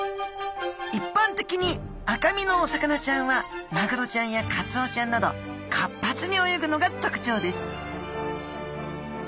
いっぱん的に赤身のお魚ちゃんはマグロちゃんやカツオちゃんなど活発に泳ぐのがとくちょうです